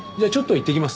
いってきます。